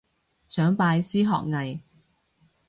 想拜師學藝